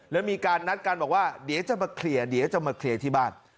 แล้วมีการนัดกันบอกว่าเดี๋ยวจะมาเคลียร์เดี๋ยวจะมาเคลียร์ที่บ้าน